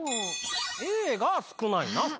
Ａが少ないな。